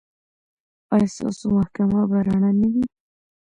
ایا ستاسو محکمه به رڼه نه وي؟